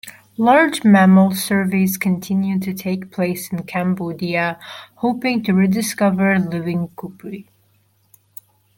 Large mammal surveys continue to take place in Cambodia, hoping to rediscover living kouprey.